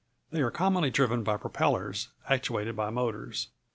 They are commonly driven by propellers actuated by motors.